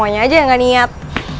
hah mau aja aja gak niat